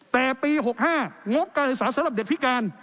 แต่ปี๖๕งบการศึกษาสำหรับเด็กพิการ